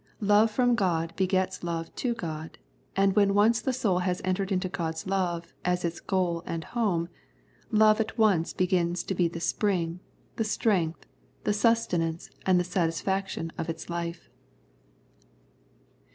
Love from God begets love to God, and when once the soul has entered into God's love as its goal and home, love at once begins to be the spring, the strength, the sustenance, and the satisfaction of its life.